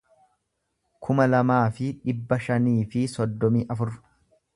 kuma lamaa fi dhibba shanii fi soddomii afur